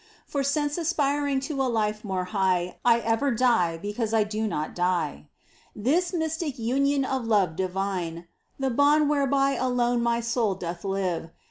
For since aspiring to a life more high I ever die because I do not die. This mystic union of Love divine. The bond whereby alone my soul doth live.